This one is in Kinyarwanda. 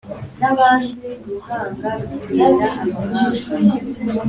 Ariko Dowegi Umwedomu yari ahagaze aho mu bagaragu ba Sawuli